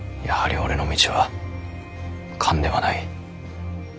やはり俺の道は官ではない。